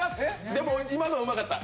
でも、今のはうまかった。